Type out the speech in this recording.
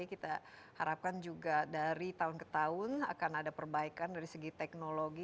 kita harapkan juga dari tahun ke tahun akan ada perbaikan dari segi teknologi